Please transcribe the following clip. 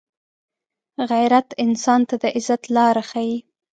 غیرت انسان ته د عزت لاره ښيي